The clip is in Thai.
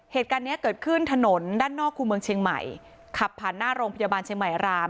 เหตุการณ์เนี้ยเกิดขึ้นถนนด้านนอกคู่เมืองเชียงใหม่ขับผ่านหน้าโรงพยาบาลเชียงใหม่ราม